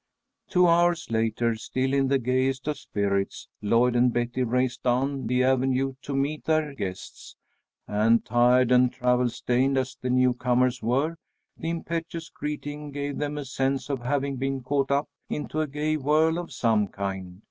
Two hours later, still in the gayest of spirits, Lloyd and Betty raced down the avenue to meet their guests, and tired and travel stained as the newcomers were, the impetuous greeting gave them a sense of having been caught up into a gay whirl of some kind.